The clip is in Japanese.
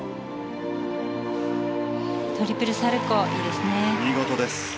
トリプルサルコウいいですね。